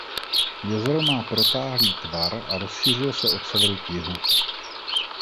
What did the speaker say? Jezero má protáhlý tvar a rozšiřuje se od severu k jihu.